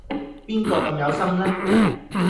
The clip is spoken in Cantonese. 邊個咁有心呢？